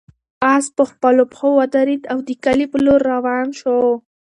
آس په خپلو پښو ودرېد او د کلي په لور روان شو.